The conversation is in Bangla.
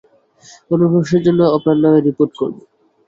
অনুপ্রবেশের জন্য আপনার নামে রিপোর্ট করব।